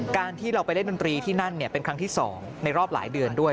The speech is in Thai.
การที่เราไปเล่นดนตรีที่นั่นเป็นครั้งที่๒ในรอบหลายเดือนด้วย